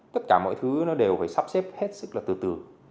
tất cả mọi thứ nó đều phải sắp xếp hết sức là từ từ